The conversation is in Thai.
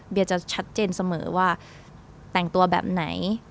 จะชัดเจนเสมอว่าแต่งตัวแบบไหน